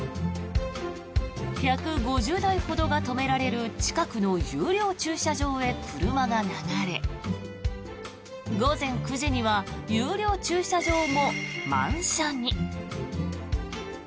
１５０台ほどが止められる近くの有料駐車場へ車が流れ午前９時には有料駐車場も満車に。